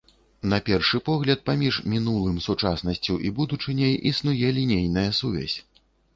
На першы погляд, паміж мінулым, сучаснасцю і будучыняй існуе лінейная сувязь.